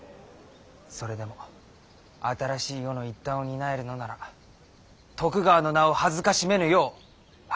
それでも新しい世の一端を担えるのなら徳川の名を辱めぬよう励みたい。